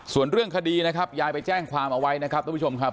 ส่วนเรื่องคดีนะครับยายไปแจ้งความเอาไว้นะครับทุกผู้ชมครับ